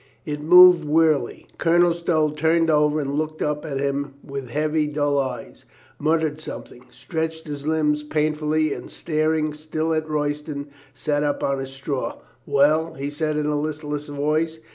It moved wear ily. Colonel Stow turned over ,and looked up at him with heavy, dull eyes, muttered something, stretched his limbs painfully and staring still at Royston, sat up on his straw. "Well?" he said in .a listless voice.